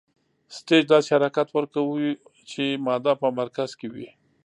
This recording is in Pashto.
سټیج داسې حرکت ورکوو چې ماده په مرکز کې وي.